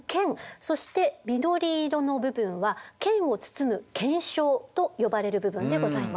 そして緑色の部分は腱を包む腱鞘と呼ばれる部分でございます。